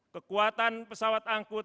kekuatan pesawat angkut